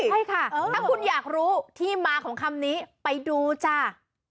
ใช่ค่ะถ้าคุณอยากรู้ที่มาของคำนี้ไปดูจ้า